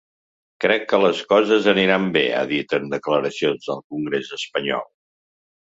Crec que les coses aniran bé, ha dit en declaracions al congrés espanyol.